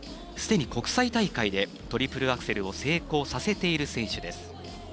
すでに国際大会でトリプルアクセルを成功させている選手です。